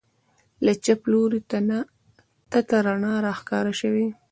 له چپ لوري تته رڼا راښکاره سوه.